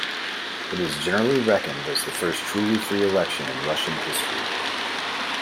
It is generally reckoned as the first truly free election in Russian history.